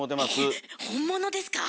ええっ本物ですか？